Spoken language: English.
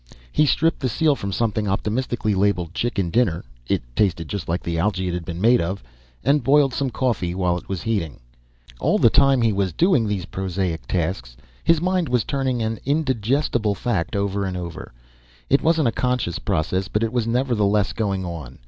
He stripped the seal from something optimistically labeled CHICKEN DINNER it tasted just like the algae it had been made from and boiled some coffee while it was heating. And all the time he was doing these prosaic tasks his mind was turning an indigestible fact over and over. It wasn't a conscious process, but it was nevertheless going on.